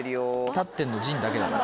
立ってるの陣だけだから。